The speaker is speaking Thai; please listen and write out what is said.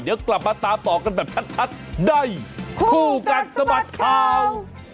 เดี๋ยวกลับมาตามต่อกันแบบชัดในคู่กัดสะบัดข่าว